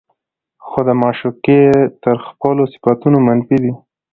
خو د معشوقې تر خپلو صفتونو منفي دي